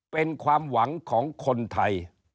เป็นความหวังของคนไทย